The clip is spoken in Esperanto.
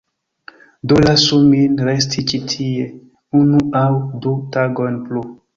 Do lasu min resti ĉi tie unu aŭ du tagojn plu.